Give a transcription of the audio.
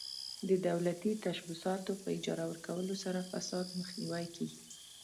د دولتي تشبثاتو په اجاره ورکولو سره فساد مخنیوی کیږي.